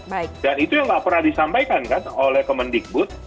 dan itu yang nggak pernah disampaikan kan oleh kemendikbud